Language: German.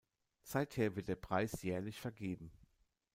Seither wird der Preis jährlich vergeben.